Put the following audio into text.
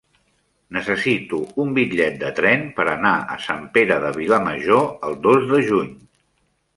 Necessito un bitllet de tren per anar a Sant Pere de Vilamajor el dos de juny.